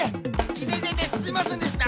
いてててすいませんでした！